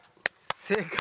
正解。